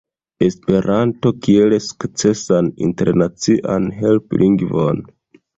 Esperanton kiel sukcesan internacian helplingvon